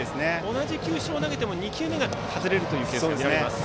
同じ球種を投げても２球目が外れるケースが見られます。